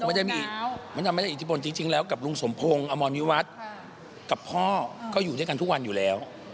มดดำไม่ได้อิจฯบนจริงแล้วกับรุงสมพงฆ์อรรมอนมิวัฒน์กับพ่อก็อยู่ด้วยกันทุกวันอยู่แล้ว